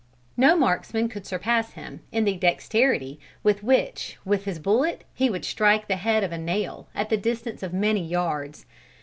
No marksman could surpass him in the dexterity with which with his bullet he would strike the head of a nail, at the distance of many yards.